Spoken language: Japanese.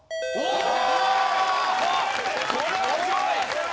これはすごい！